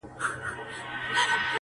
o يا د چاودي پښې ژاړه، يا دبدي چگې ژاړه٫